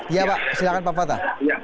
iya pak silahkan pak fatah